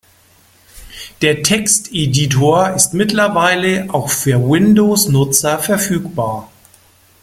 Der Texteditor ist mittlerweile auch für Windows-Nutzer verfügbar.